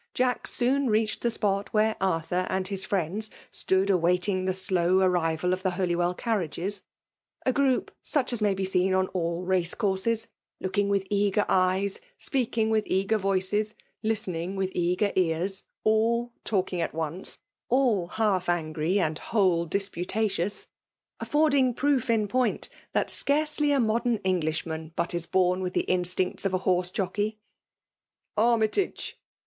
Jack soan jpeaohed the af»ot where Arthur and his friendlt siood awaiting the slow arrival of tho Hol3rweIl carriages ; a group such as may be seen on att race courses ; looking with eager eyes, speak^ ing with eager Toices, listening with eager ears : all talking at once, — all half angry« and whole di^ntatious ;— affording proof in point, that scarcely a modem Englishman but is bom widi the instincts of a horse jockey. Armytage